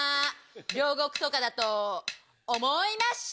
両国とかだと思いました？